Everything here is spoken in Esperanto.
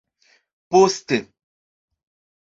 poste